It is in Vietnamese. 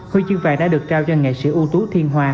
huy chương vàng đã được trao cho nghệ sĩ ưu tú thiên hòa